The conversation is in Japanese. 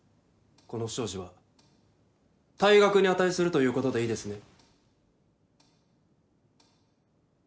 この不祥事は退学に値するということでいいですね。